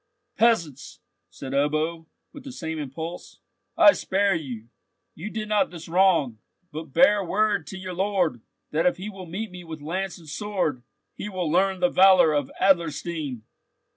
"Peasants!" said Ebbo, with the same impulse, "I spare you. You did not this wrong. But bear word to your lord, that if he will meet me with lance and sword, he will learn the valour of Adlerstein."